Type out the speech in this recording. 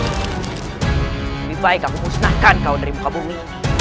lebih baik aku musnahkan kau dari muka bumi